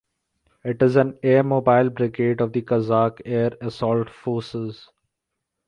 It is an airmobile brigade of the Kazakh Air Assault Forces.